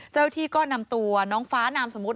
เจ้าที่ก็นำตัวน้องฟ้านามสมมุติ